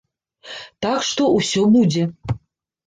Так што, усё будзе!